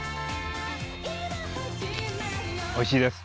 おいしいです。